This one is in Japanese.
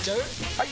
・はい！